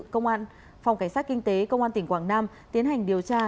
công an phòng cảnh sát kinh tế công an tỉnh quảng nam tiến hành điều tra